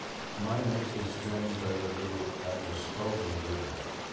Minot is drained by the Little Androscoggin River.